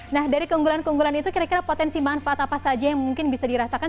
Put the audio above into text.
nah dari keunggulan keunggulan itu kira kira potensi manfaat apa saja yang mungkin bisa dirasakan